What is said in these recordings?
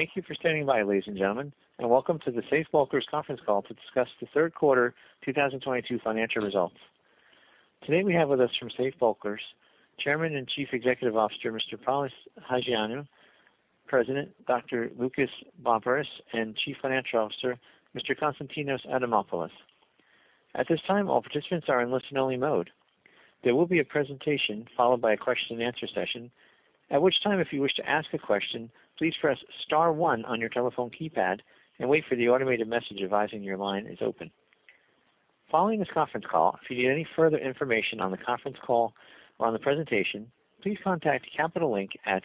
Thank you for standing by, ladies and gentlemen, and welcome to The Safe Bulkers Conference Call to discuss The Third Quarter 2022 Financial esults. Today we have with us from Safe Bulkers, Chairman and Chief Executive Officer, Mr. Polys Hajioannou, President, Dr. Loukas Barmparis, and Chief Financial Officer, Mr. Konstantinos Adamopoulos. At this time, all participants are in listen-only mode. There will be a presentation followed by a question-and-answer session. At which time, if you wish to ask a question, please press star one on your telephone keypad and wait for the automated message advising your line is open. Following this conference call, if you need any further information on the conference call or on the presentation, please contact Capital Link at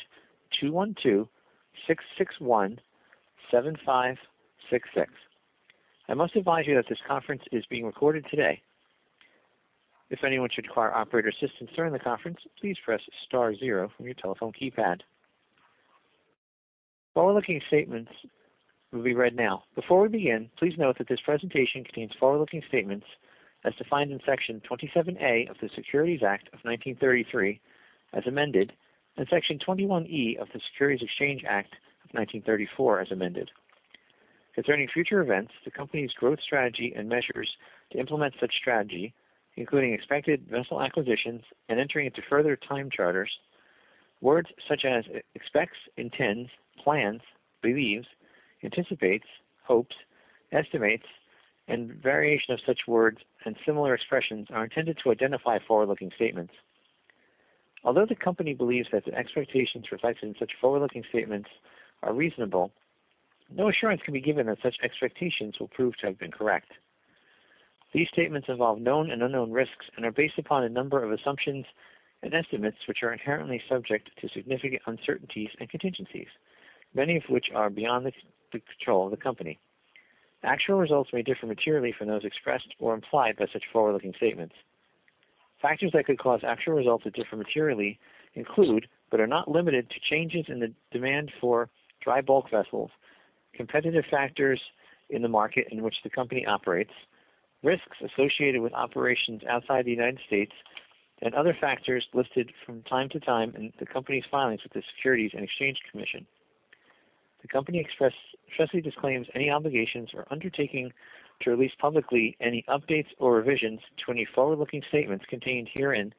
212-661-7566. I must advise you that this conference is being recorded today. If anyone should require operator assistance during the conference, please press star zero from your telephone keypad. Forward-looking statements will be read now. Before we begin, please note that this presentation contains forward-looking statements as defined in Section 27A of the Securities Act of 1933 as amended, and Section 21E of the Securities Exchange Act of 1934 as amended. Concerning future events, the company's growth strategy and measures to implement such strategy, including expected vessel acquisitions and entering into further time charters, words such as expects, intends, plans, believes, anticipates, hopes, estimates, and variation of such words and similar expressions are intended to identify forward-looking statements. Although the company believes that the expectations reflected in such forward-looking statements are reasonable, no assurance can be given that such expectations will prove to have been correct. These statements involve known and unknown risks and are based upon a number of assumptions and estimates, which are inherently subject to significant uncertainties and contingencies, many of which are beyond the control of the company. Actual results may differ materially from those expressed or implied by such forward-looking statements. Factors that could cause actual results to differ materially include, but are not limited to changes in the demand for dry bulk vessels, competitive factors in the market in which the company operates, risks associated with operations outside the United States, and other factors listed from time to time in the company's filings with the Securities and Exchange Commission. The company expressly disclaims any obligations or undertaking to release publicly any updates or revisions to any forward-looking statements contained herein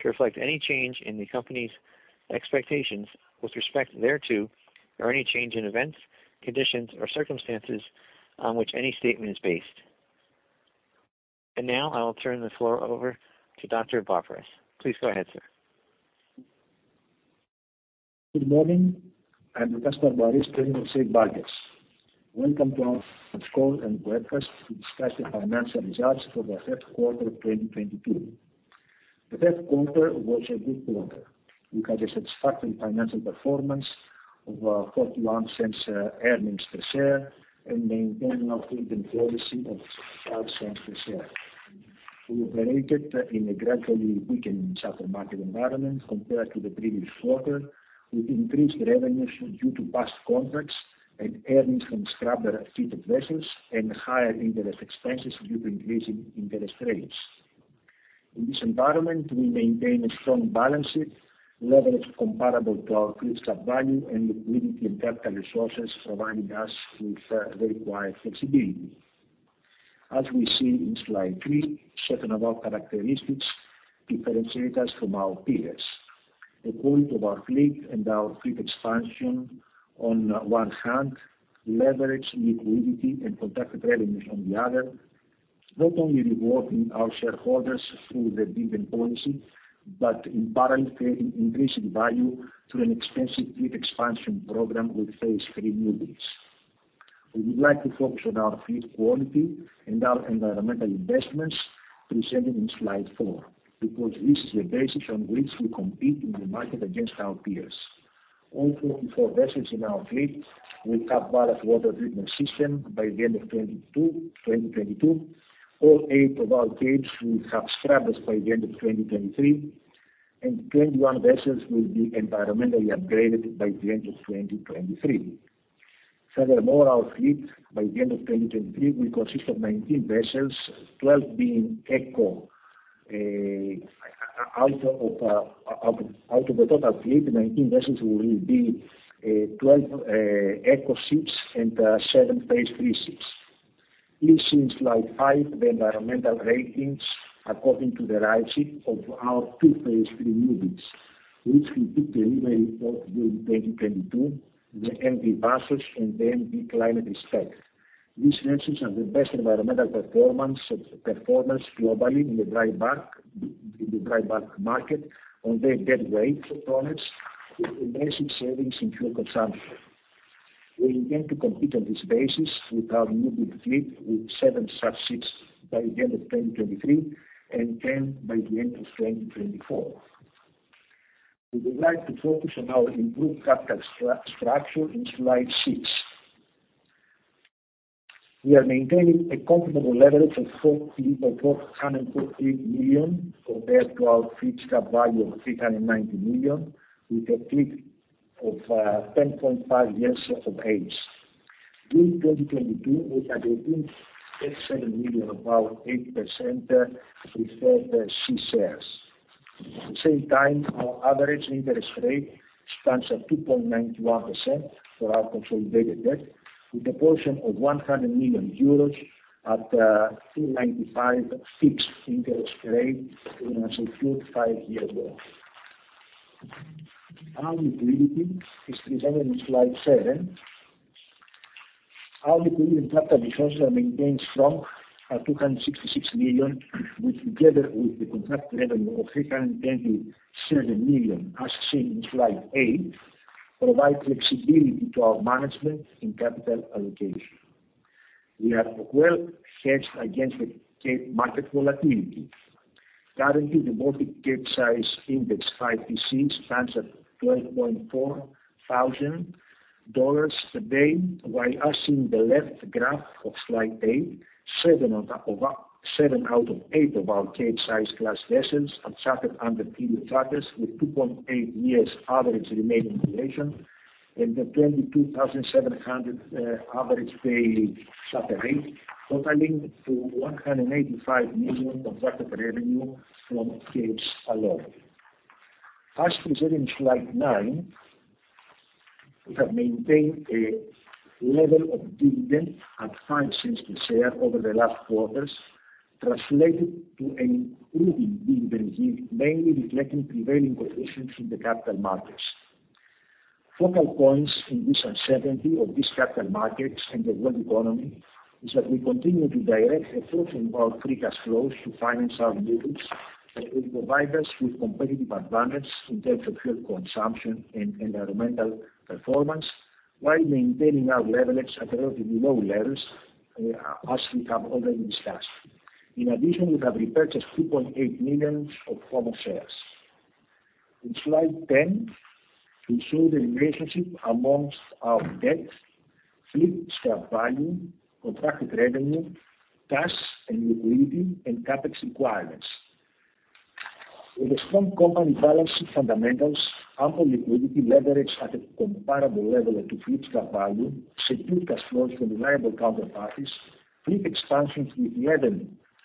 to reflect any change in the company's expectations with respect thereto or any change in events, conditions, or circumstances on which any statement is based. Now, I will turn the floor over to Dr. Loukas Barmparis. Please go ahead, sir. Good morning. I'm Loukas Barmparis, Chairman of Safe Bulkers. Welcome to our press call and webcast to discuss the financial results for the third quarter of 2022. The third quarter was a good quarter. We had a satisfactory financial performance of $0.41 earnings per share and maintaining our dividend policy of $0.05 per share. We operated in a gradually weakening charter market environment compared to the previous quarter with increased revenues due to past contracts and earnings from scrubber-fitted vessels and higher interest expenses due to increasing interest rates. In this environment, we maintain a strong balance sheet leverage comparable to our fleet's cap value and liquidity in capital resources, providing us with the required flexibility. As we see in slide 3, certain of our characteristics differentiate us from our peers. The quality of our fleet and our fleet expansion on one hand, leverage liquidity and contracted revenues on the other, not only rewarding our shareholders through the dividend policy, but in parallel, creating increasing value through an extensive fleet expansion program with Phase 3 Newbuilds. We would like to focus on our fleet quality and our environmental investments presented in slide 4 because this is the basis on which we compete in the market against our peers. All 44 vessels in our fleet will have Ballast Water Treatment System by the end of 2022. All 8 of our capes will have scrubbers by the end of 2023, and 21 vessels will be environmentally upgraded by the end of 2023. Furthermore, our fleet by the end of 2023 will consist of 19 vessels, 12 being Eco. Out of the total fleet, 19 vessels will be 12 Eco ships and 7 Phase 3 ships. This is slide 5, the environmental ratings according to the RightShip of our two Phase 3 Newbuilds, which we took delivery of during 2022, the MV Vassos and the MV Climate Respect. These vessels have the best environmental performance globally in the dry bulk market on the deadweight tonnage with massive savings in fuel consumption. We intend to compete on this basis with our newbuild fleet with 7 such ships by the end of 2023 and 10 by the end of 2024. We would like to focus on our improved capital structure in slide 6. We are maintaining a comfortable leverage of $441.4 million compared to our fleet cap value of $390 million with a fleet of 10.5 years of age. In 2022, we had $18.7 million, about 80% preferred C shares. At the same time, our average interest rate stands at 2.91% for our controlled dated debt, with a portion of 100 million euros at 2.95 fixed interest rate in a secured five-year loan. Our liquidity is presented in slide seven. Our liquidity and capital position remains strong at $266 million, which together with the contracted revenue of $327 million, as seen in slide eight, provide flexibility to our management in capital allocation. We are well hedged against the Cape market volatility. Currently, the Baltic Capesize Index 5TC stands at $12,400 today, while, as in the left graph of slide eight, seven out of eight of our Capesize class vessels are chartered under period charters with 2.8 years average remaining duration and a 22,700 average daily charter rate, totaling to $185 million of contracted revenue from Capes alone. As presented in slide nine, we have maintained a level of dividend at $0.05 per share over the last quarters, translated to an improving dividend yield, mainly reflecting prevailing conditions in the capital markets. Focal points in this uncertainty of these capital markets and the world economy is that we continue to direct a portion of our free cash flows to finance our newbuilds that will provide us with competitive advantage in terms of fuel consumption and environmental performance while maintaining our leverage at relatively low levels, as we have already discussed. In addition, we have repurchased 2.8 million common shares. In slide 10, we show the relationship among our debt, fleet scrap value, contracted revenue, cash and liquidity, and CapEx requirements. With a strong company balance sheet fundamentals, ample liquidity leverage at a comparable level to fleet scrap value, secured cash flows from reliable counterparties, fleet expansion with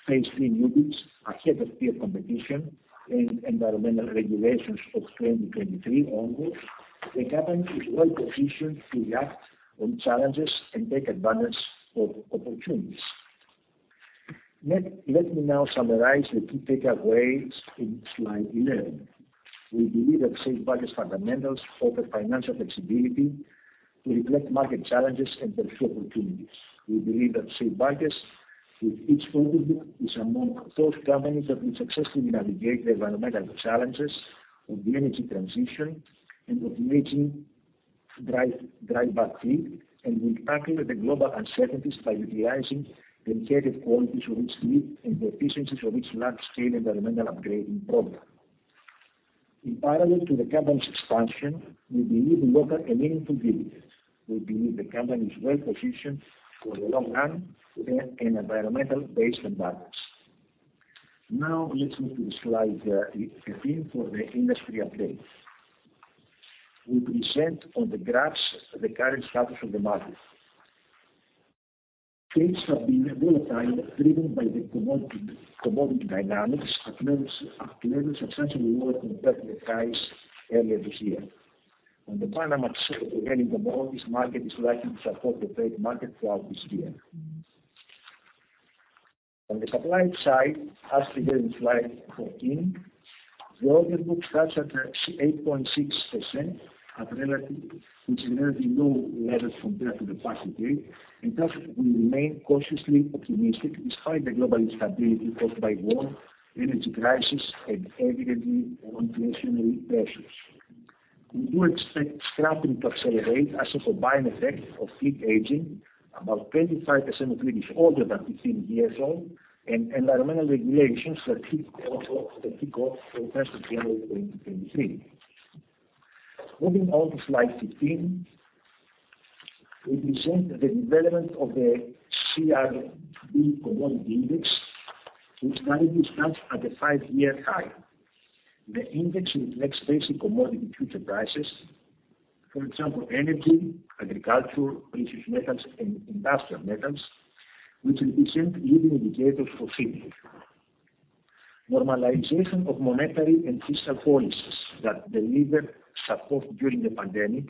Phase 3 Newbuilds ahead of peer competition and environmental regulations of 2023 onwards, the company is well-positioned to react to challenges and take advantage of opportunities. Let me now summarize the key takeaways in slide 11. We believe that Safe Bulkers fundamentals offer financial flexibility to reflect market challenges and pursue opportunities. We believe that Safe Bulkers, with each component, is among those companies that will successfully navigate the environmental challenges of the energy transition and of aging dry bulk fleet and will tackle the global uncertainties by utilizing the inherent qualities of each fleet and the efficiencies of its large-scale environmental upgrade program. In parallel to the company's expansion, we believe we offer a meaningful dividend. We believe the company is well-positioned for the long run within an environmental-based environment. Now, let's move to slide 15 for the industry update. We present on the graphs the current status of the market. Rates have been volatile, driven by the commodity dynamics at levels substantially lower compared to the highs earlier this year. On the Panamax and Handysize market is likely to support the freight market throughout this year. On the supply side, as presented in slide 14, the orderbook stands at 8.6% at relative, which is relatively low levels compared to capacity, and thus we remain cautiously optimistic despite the global instability caused by war, energy crisis, and evidently inflationary pressures. We do expect scrapping to accelerate as a combined effect of fleet aging. About 35% of fleet is older than fifteen years old, and environmental regulations that kick off from first of January 2023. Moving on to slide 15, we present the development of the CRB Commodity Index, which currently stands at a five-year high. The index reflects basic commodity futures prices, for example, energy, agriculture, precious metals, and industrial metals, which represent leading indicators for shipping. Normalization of monetary and fiscal policies that delivered support during the pandemic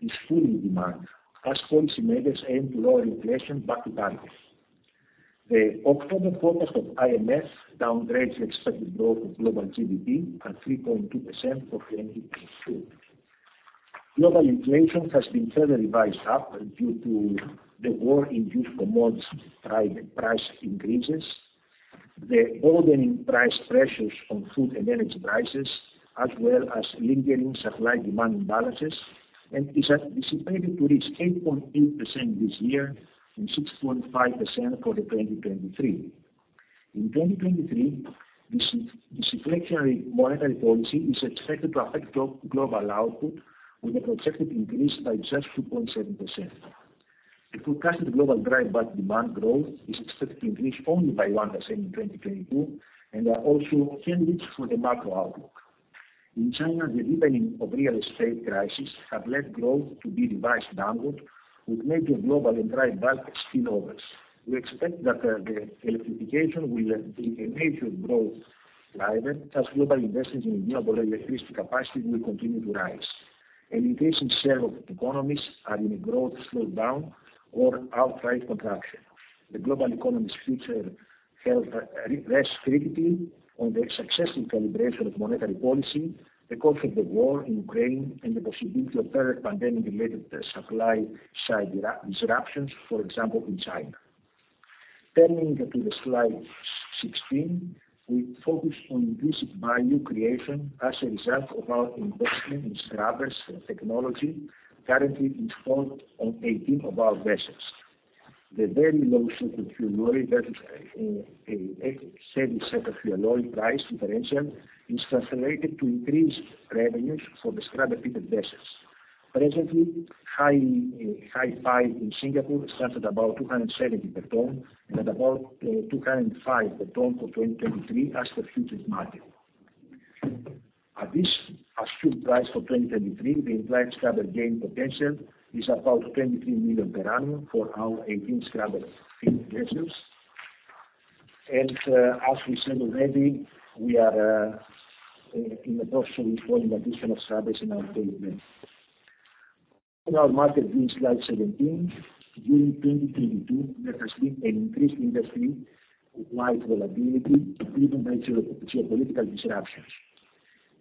is fueling demand as policymakers aim to lower inflation back to targets. The October forecast of IMF downgrades the expected growth of global GDP at 3.2% for 2022. Global inflation has been further revised up due to the war-induced commodity price increases, the broadening price pressures from food and energy prices, as well as lingering supply-demand imbalances, and is anticipated to reach 8.8% this year and 6.5% for 2023. In 2023, this inflationary monetary policy is expected to affect global output with a projected increase by just 2.7%. The forecasted global dry bulk demand growth is expected to increase only by 1% in 2022, and are also challenged for the macro outlook. In China, the deepening of real estate crisis have led growth to be revised downward with major global and dry bulk spillovers. We expect that the electrification will be a major growth driver as global investments in renewable electricity capacity will continue to rise. Emerging share of economies are in a growth slowdown or outright contraction. The global economy's future health rests critically on the successful calibration of monetary policy, the course of the war in Ukraine and the possibility of further pandemic-related supply side disruptions, for example, in China. Turning to the slide 16, we focus on increased value creation as a result of our investment in scrubbers technology, currently installed on 18 of our vessels. The very low sulfur fuel oil versus a heavy sulfur fuel oil price differential is translated to increased revenues for the scrubber-fitted vessels. Presently, Hi5 in Singapore starts at about $270 per ton and at about $205 per ton for 2023 as per futures market. At this assumed price for 2023, the implied scrubber gain potential is about $23 million per annum for our 18 scrubber-fitted vessels. As we said already, we are in the process for additional scrubbers in our fleet mix. In our market view, slide 17, during 2022, there has been an increased industry-wide volatility driven by geopolitical disruptions.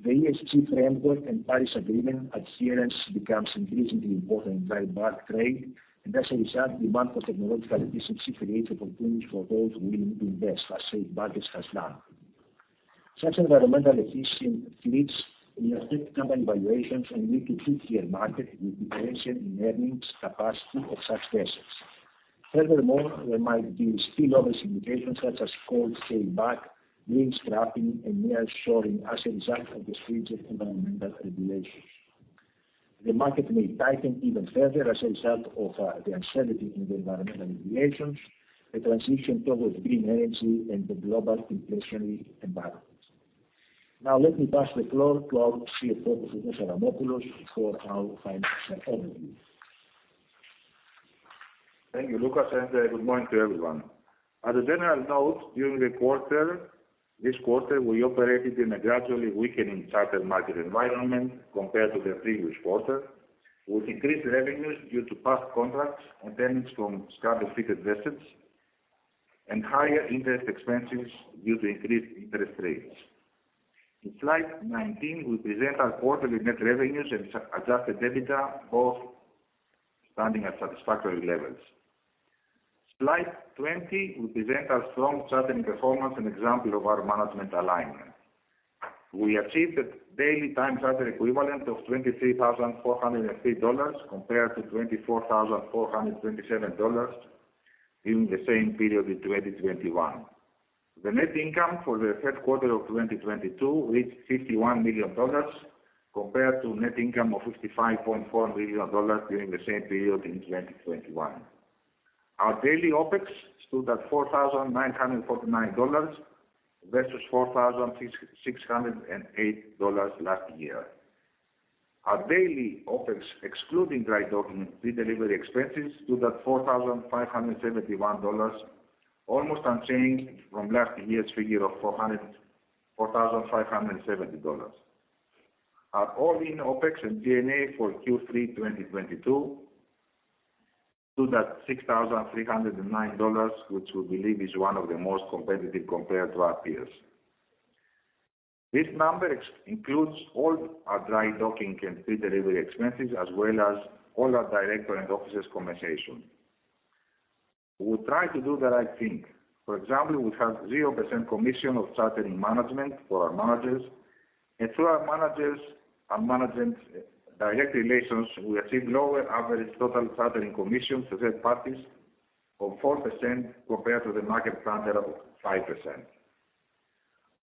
The ESG framework and Paris Agreement adherence becomes increasingly important in dry bulk trade, and as a result, demand for technological efficiency creates opportunities for those willing to invest as Safe Bulkers has done. Such environmentally efficient fleets may affect company valuations and lead to two-tier market with differentiation in earnings capacity of such vessels. Furthermore, there might be spillover situations such as coal scale back, vessel scrapping and nearshoring as a result of the stringent environmental regulations. The market may tighten even further as a result of the uncertainty in the environmental regulations, the transition towards green energy and the global inflationary environment. Now let me pass the floor to our CFO, Konstantinos Adamopoulos, for our financial overview. Thank you, Loukas, and good morning to everyone. As a general note, during the quarter, this quarter, we operated in a gradually weakening charter market environment compared to the previous quarter, with increased revenues due to past contracts and earnings from scrubber-fitted vessels and higher interest expenses due to increased interest rates. In slide 19, we present our quarterly net revenues and adjusted EBITDA, both standing at satisfactory levels. Slide 20, we present our strong chartering performance and example of our management alignment. We achieved a daily time charter equivalent of $23,403 compared to $24,427 during the same period in 2021. The net income for the third quarter of 2022 reached $51 million compared to net income of $55.4 million during the same period in 2021. Our daily OpEx stood at $4,949 versus $4,608 last year. Our daily OpEx excluding dry docking and free delivery expenses stood at $4,571, almost unchanged from last year's figure of $4,570. Our all-in OpEx and G&A for Q3 2022 stood at $6,309, which we believe is one of the most competitive compared to our peers. This number excludes all our dry docking and free delivery expenses as well as all our directors' and officers' compensation. We try to do the right thing. For example, we have 0% commission of chartering management for our managers, and through our managers and management direct relations, we achieve lower average total chartering commissions to third parties of 4% compared to the market standard of 5%.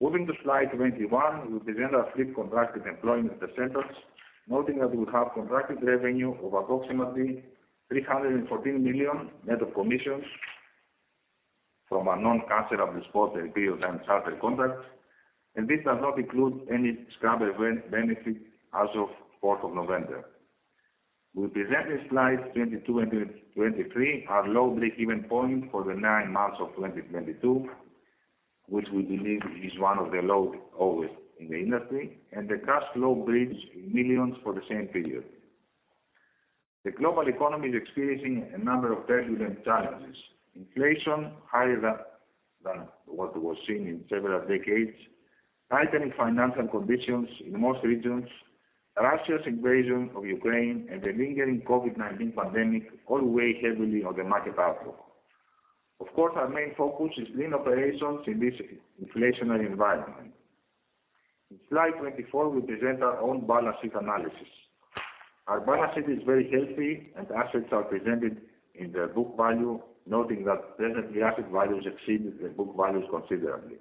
Moving to slide 21, we present our fleet contracted employment percentage, noting that we have contracted revenue of approximately $314 million net of commissions from our non-cancellable spot and time charter contracts, and this does not include any scrubber benefit as of November 4. We present in slides 22 and 23 our low break-even point for the nine months of 2022, which we believe is one of the lowest in the industry, and the cash flow bridge in millions for the same period. The global economy is experiencing a number of turbulent challenges. Inflation higher than what was seen in several decades, tightening financial conditions in most regions, Russia's invasion of Ukraine and the lingering COVID-19 pandemic all weigh heavily on the market outlook. Of course, our main focus is lean operations in this inflationary environment. In slide 24, we present our own balance sheet analysis. Our balance sheet is very healthy, and assets are presented in their book value, noting that presently asset values exceed the book values considerably.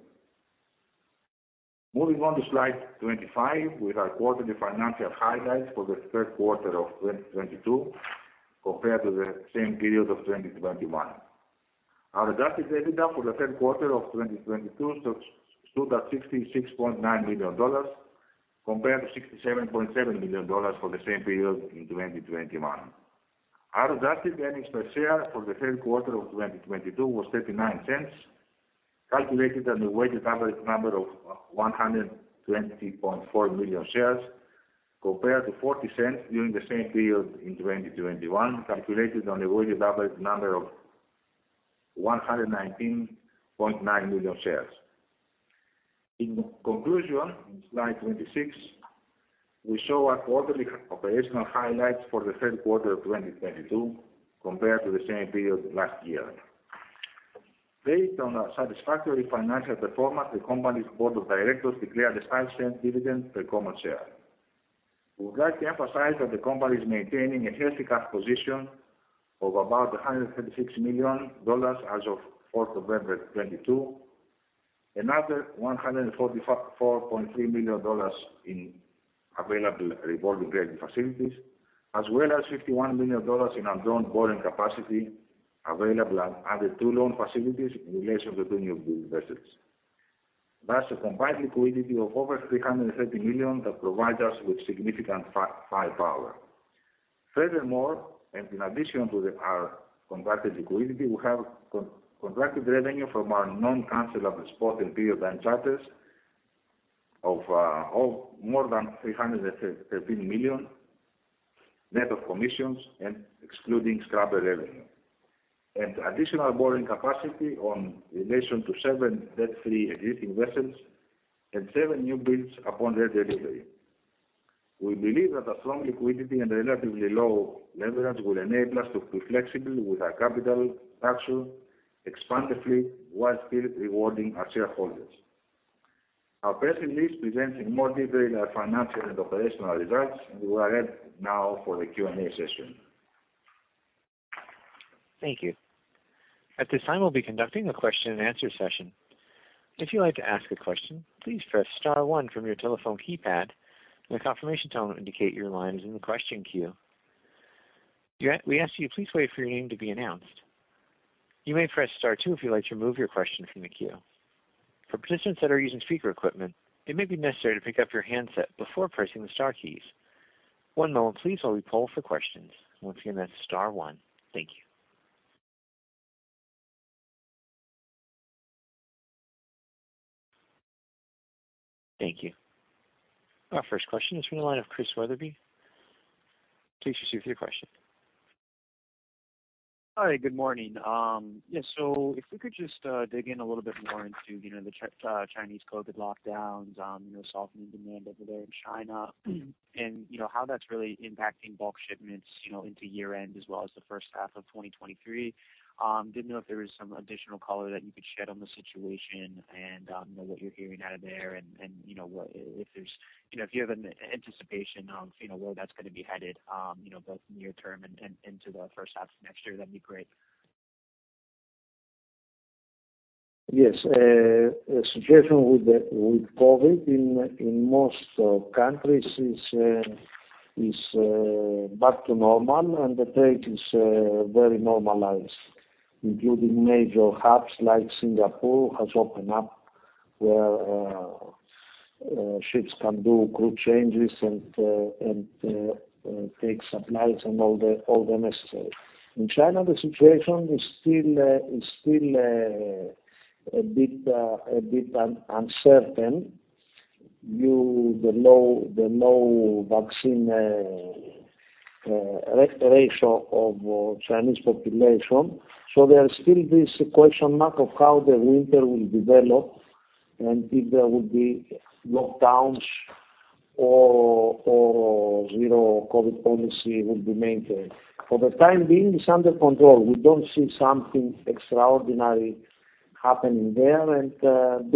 Moving on to slide 25 with our quarterly financial highlights for the third quarter of 2022 compared to the same period of 2021. Our adjusted EBITDA for the third quarter of 2022 stood at $66.9 million compared to $67.7 million for the same period in 2021. Our adjusted earnings per share for the third quarter of 2022 was $0.39, calculated on a weighted average number of 120.4 million shares compared to $0.40 during the same period in 2021, calculated on a weighted average number of 119.9 million shares. In conclusion, in slide 26, we show our quarterly operational highlights for the third quarter of 2022 compared to the same period last year. Based on our satisfactory financial performance, the company's board of directors declared a $0.05 dividend per common share. We would like to emphasize that the company is maintaining a healthy cash position of about $136 million as of 4 November 2022. Another $145.3 million in available revolving credit facilities as well as $51 million in undrawn borrowing capacity available under two loan facilities in relation to two newbuild vessels. That's a combined liquidity of over $330 million that provide us with significant firepower. Furthermore, in addition to our contracted liquidity, we have contracted revenue from our non-cancellable spot and period time charters of more than $313 million net of commissions and excluding scrubber revenue. Additional borrowing capacity in relation to seven debt-free existing vessels and seven new builds upon their delivery. We believe that a strong liquidity and relatively low leverage will enable us to be flexible with our capital structure expansively while still rewarding our shareholders. Our press release presents in more detail our financial and operational results. We are ready now for the Q&A session. Thank you. At this time, we'll be conducting a question and answer session. If you'd like to ask a question, please press star one from your telephone keypad, and a confirmation tone will indicate your line is in the question queue. We ask that you please wait for your name to be announced. You may press star two if you'd like to remove your question from the queue. For participants that are using speaker equipment, it may be necessary to pick up your handset before pressing the star keys. One moment please while we poll for questions. Once again, that's star one. Thank you. Thank you. Our first question is from the line of Chris Wetherbee. Please proceed with your question. Hi, good morning. Yeah, so if we could just dig in a little bit more into, you know, the Chinese COVID lockdowns, you know, softening demand over there in China. You know, how that's really impacting bulk shipments, you know, into year-end as well as the first half of 2023. Didn't know if there was some additional color that you could shed on the situation and, you know, what you're hearing out of there and, you know, what, if there's, you know, if you have an anticipation of, you know, where that's gonna be headed, you know, both near term and into the first half of next year, that'd be great. Yes. The situation with COVID in most countries is back to normal, and the trade is very normalized, including major hubs like Singapore has opened up where ships can do crew changes and take supplies and all the necessary. In China, the situation is still a bit uncertain due to the low vaccine ratio of Chinese population. So there is still this question mark of how the winter will develop and if there will be lockdowns or zero COVID policy will be maintained. For the time being, it’s under control. We don’t see something extraordinary happening there, and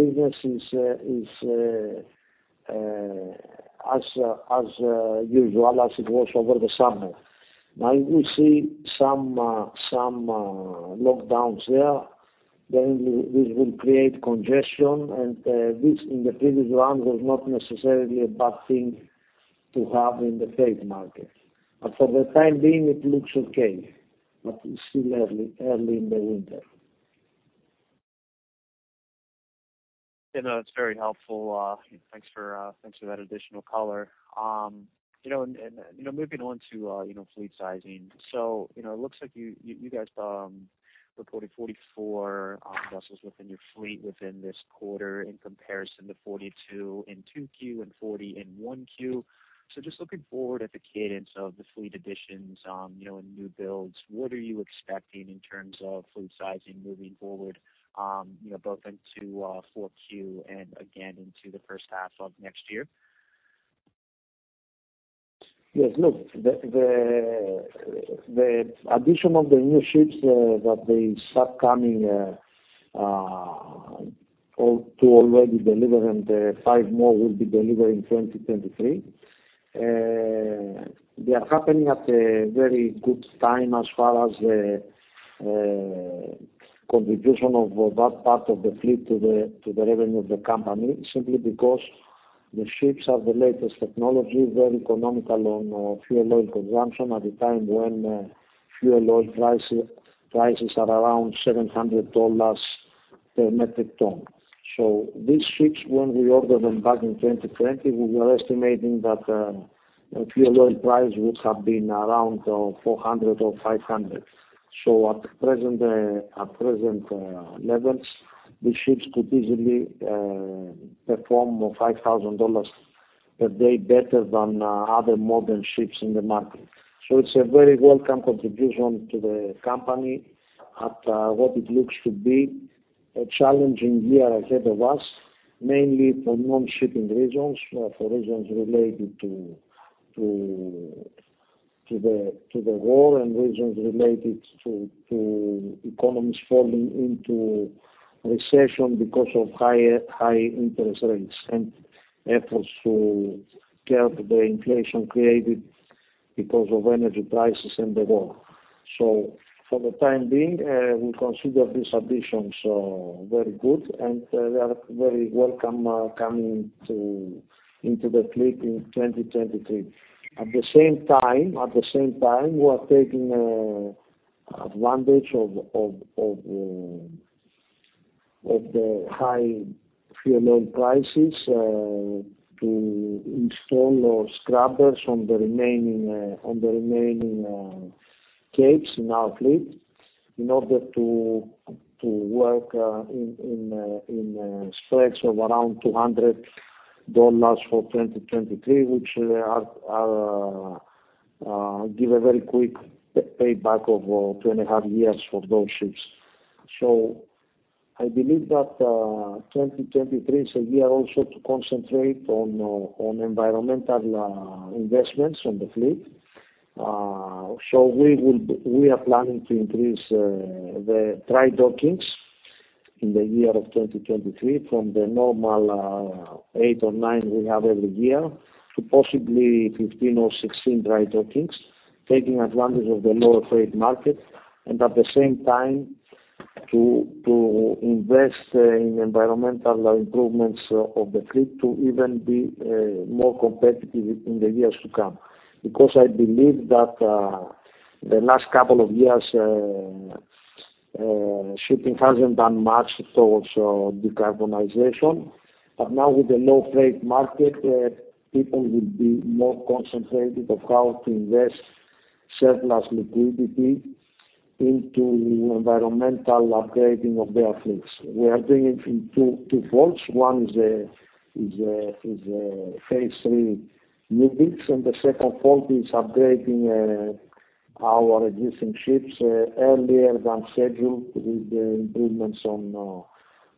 business is as usual as it was over the summer. Now if we see some lockdowns there, then this will create congestion. This in the previous round was not necessarily a bad thing to have in the freight market. For the time being, it looks okay, but it's still early in the winter. You know, it's very helpful. Thanks for that additional color. You know, moving on to fleet sizing. You know, it looks like you guys reported 44 vessels within your fleet within this quarter in comparison to 42 in 2Q and 40 in 1Q. Just looking forward at the cadence of the fleet additions and new builds, what are you expecting in terms of fleet sizing moving forward, you know, both into 4Q and again into the first half of next year? Yes. Look, the addition of the new ships that they start coming, or two already delivered and five more will be delivered in 2023, they are happening at a very good time as far as the contribution of that part of the fleet to the revenue of the company simply because the ships have the latest technology, very economical on fuel oil consumption at a time when fuel oil prices are around $700 per metric ton. So these ships, when we ordered them back in 2020, we were estimating that fuel oil price would have been around $400 or $500. So at present levels, these ships could easily perform $5,000 per day better than other modern ships in the market. It's a very welcome contribution to the company at what it looks to be a challenging year ahead of us, mainly for non-shipping reasons, for reasons related to the war and reasons related to economies falling into recession because of high interest rates and efforts to curb the inflation created because of energy prices and the war. For the time being, we consider these additions very good, and they are very welcome, coming into the fleet in 2023. At the same time, we are taking advantage of the high fuel oil prices to install our scrubbers on the remaining Capes in our fleet in order to work in spreads of around $200 for 2023, which give a very quick payback of 2.5 years for those ships. I believe that 2023 is a year also to concentrate on environmental investments on the fleet. We are planning to increase the dry dockings in the year of 2023 from the normal 8 or 9 we have every year to possibly 15 or 16 dry dockings, taking advantage of the lower freight market and at the same time to invest in environmental improvements of the fleet to even be more competitive in the years to come. I believe that the last couple of years shipping hasn't done much towards decarbonization. Now with the low freight market, people will be more concentrated on how to invest surplus liquidity into environmental upgrading of their fleets. We are doing it in two folds. One is Phase 3 Newbuilds, and the second fold is upgrading our existing ships earlier than scheduled with the improvements on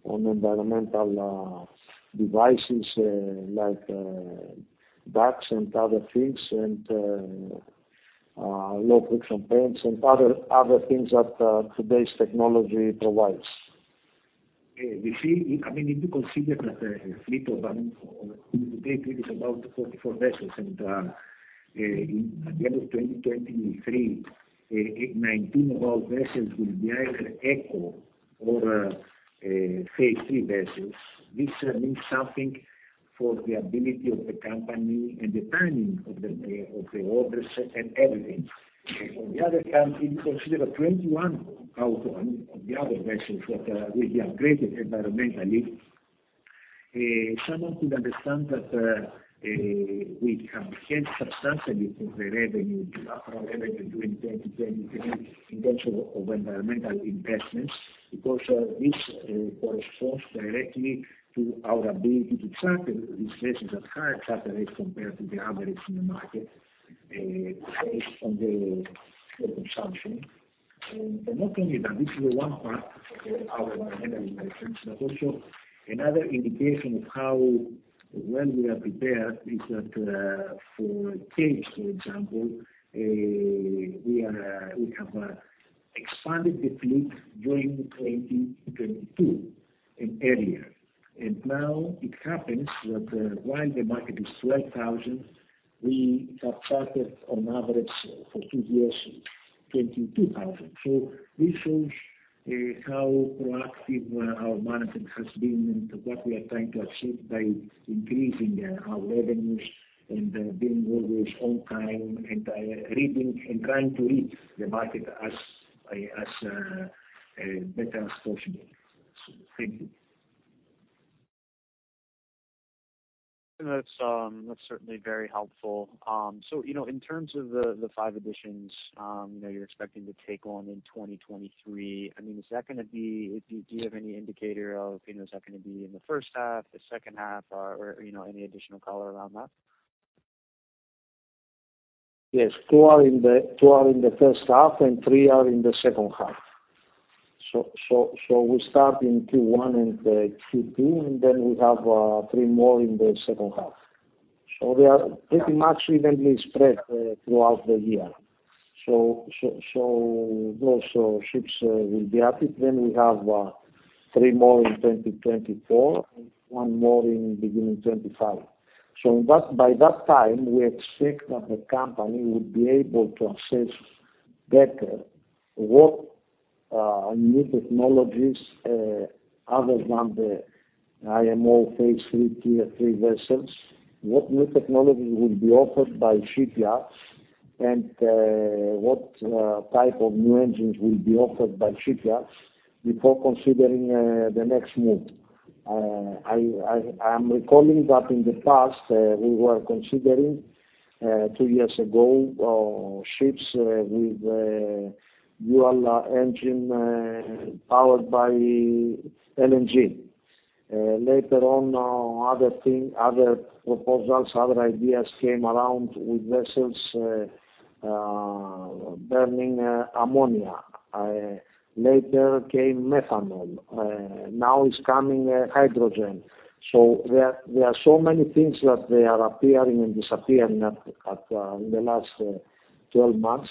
environmental devices like ducts and other things and low friction paints and other things that today's technology provides. Yeah. I mean, if you consider that fleet of, I mean, to date it is about 44 vessels and at the end of 2023, 19 of our vessels will be either Eco or Phase 3 vessels. This means something for the ability of the company and the timing of the orders and everything. On the other hand, if you consider 21 out of, I mean, of the other vessels that are really upgraded environmentally, someone could understand that we have cared substantially for the revenue, our revenue in 2023 in terms of environmental investments. Because this corresponds directly to our ability to charter these vessels at higher charter rates compared to the others in the market, based on the fuel consumption. Not only that, this is one part of our environmental investments, but also another indication of how well we are prepared is that for Capes, for example, we have expanded the fleet during 2022 in area. Now it happens that while the market is $12,000, we have chartered on average for two years $22,000. This shows how proactive our management has been and what we are trying to achieve by increasing our revenues and doing orders on time and trying to read the market as better as possible. Thank you. That's certainly very helpful. So, you know, in terms of the five additions, you know, you're expecting to take on in 2023, I mean, do you have any indicator of, you know, is that gonna be in the first half, the second half or, you know, any additional color around that? Yes. Two are in the first half, and three are in the second half. We start in Q1 and Q2, and then we have three more in the second half. They are pretty much evenly spread throughout the year. Those ships will be added. Then we have three more in 2024 and one more in the beginning 2025. By that time, we expect that the company will be able to assess better what on new technologies, other than the IMO Phase 3, Tier 3 vessels, what new technology will be offered by shipyards and what type of new engines will be offered by shipyards before considering the next move. I'm recalling that in the past, we were considering two years ago, ships with dual engine powered by LNG. Later on, other proposals, other ideas came around with vessels burning ammonia. Later came methanol. Now it's coming hydrogen. There are so many things that they are appearing and disappearing in the last 12 months.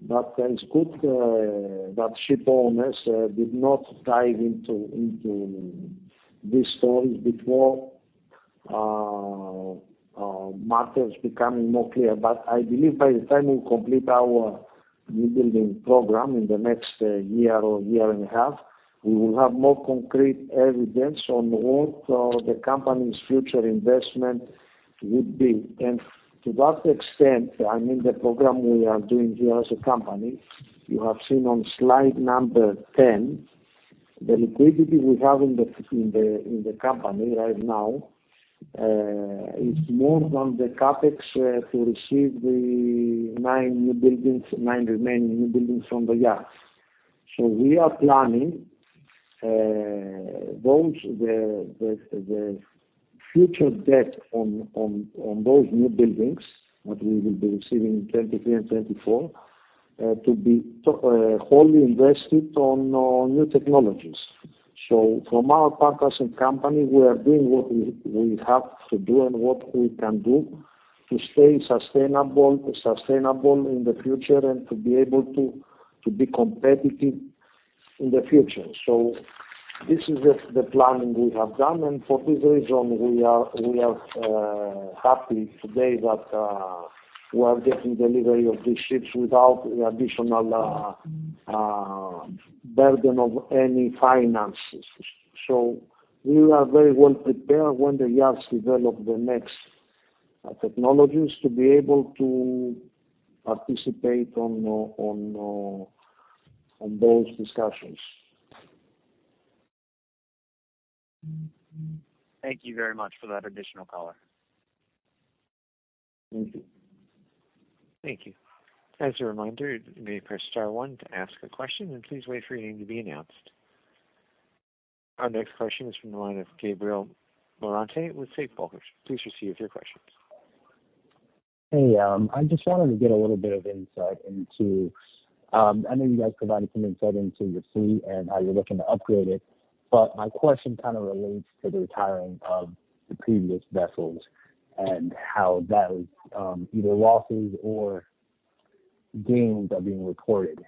It's good that ship owners did not dive into these stories before markets becoming more clear. I believe by the time we complete our newbuilding program in the next year or year and a half, we will have more concrete evidence on what the company's future investment would be. To that extent, I mean, the program we are doing here as a company, you have seen on slide number 10, the liquidity we have in the company right now is more than the CapEx to receive the nine new buildings, nine remaining new buildings from the yards. We are planning the future debt on those new buildings that we will be receiving in 2023 and 2024 to be wholly invested on new technologies. From our partners and company, we are doing what we have to do and what we can do to stay sustainable in the future and to be able to be competitive in the future. This is the planning we have done, and for this reason we are happy today that we are getting delivery of these ships without the additional burden of any finances. We are very well prepared when the yards develop the next technologies to be able to participate on those discussions. Thank you very much for that additional color. Thank you. Thank you. As a reminder, you may press star one to ask a question and please wait for your name to be announced. Our next question is from the line of Gabriel Morante with Safe Bulkers. Please proceed with your questions. Hey, I just wanted to get a little bit of insight into. I know you guys provided some insight into your fleet and how you're looking to upgrade it, but my question kind of relates to the retiring of the previous vessels and how that was, either losses or gains are being recorded.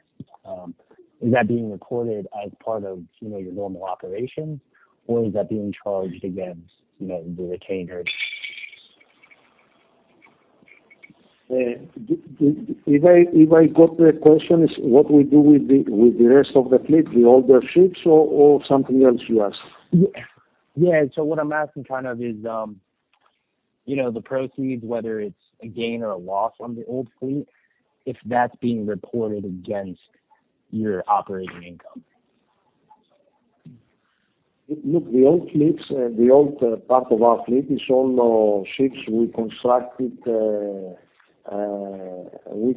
Is that being recorded as part of, you know, your normal operations, or is that being charged against, you know, the retained earnings? If I got the question is what we do with the rest of the fleet, the older ships or something else you ask? Yeah. What I'm asking kind of is, you know, the proceeds, whether it's a gain or a loss on the old fleet, if that's being reported against your operating income. Look, the old fleets, the old part of our fleet is all ships we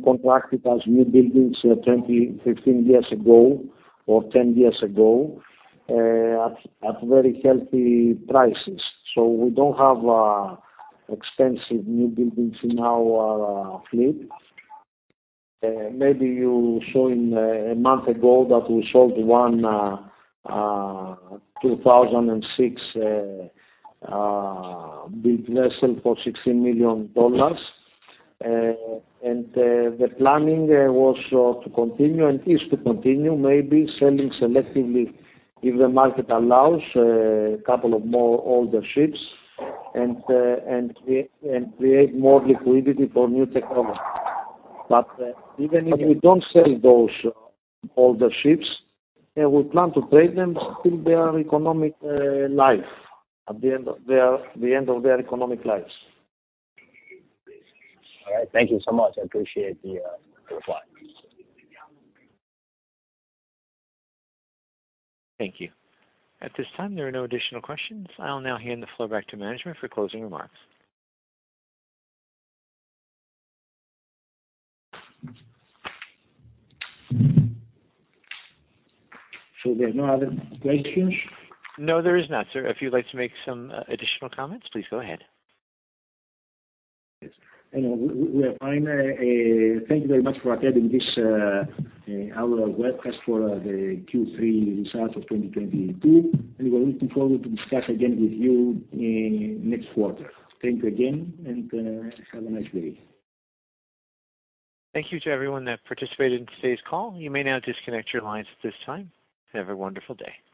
contracted as new buildings 20, 15 years ago or 10 years ago at very healthy prices. We don't have expensive new buildings in our fleet. Maybe you saw a month ago that we sold one 2006 big vessel for $16 million. The planning was to continue and is to continue maybe selling selectively if the market allows a couple of more older ships and create more liquidity for new technology. Even if we don't sell those older ships, we plan to trade them till their economic life at the end of their economic lives. All right. Thank you so much. I appreciate the reply. Thank you. At this time, there are no additional questions. I'll now hand the floor back to management for closing remarks. There are no other questions? No, there is not, sir. If you'd like to make some additional comments, please go ahead. Yes. We're fine. Thank you very much for attending this our webcast for the Q3 results of 2022, and we look forward to discuss again with you in next quarter. Thank you again and have a nice day. Thank you to everyone that participated in today's call. You may now disconnect your lines at this time. Have a wonderful day.